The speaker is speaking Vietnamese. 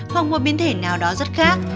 hoặc một biến thể nào đó rất khác